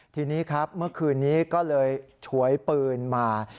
ทีนี้ครับเมื่อคืนนี้ก็เลยฉวยปืนมา